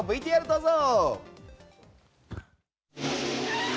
ＶＴＲどうぞ。